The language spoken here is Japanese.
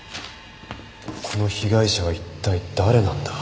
この被害者は一体誰なんだ？